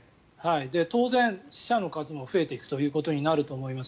当然、死者の数も増えていくということになると思います。